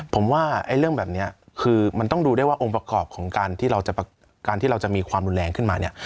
ผมว่าเรื่องแบบนี้คือมันต้องดูได้ว่าองค์ประกอบของการที่เราจะการที่เราจะมีความรุนแรงขึ้นมาเนี่ย